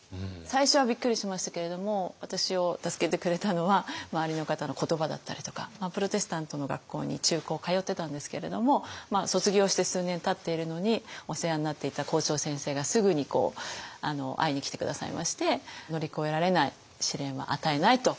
最初はびっくりしましたけれども私を助けてくれたのは周りの方の言葉だったりとかプロテスタントの学校に中高通ってたんですけれども卒業して数年たっているのにお世話になっていた校長先生がすぐに会いに来て下さいまして「乗り越えられない試練は与えない」と。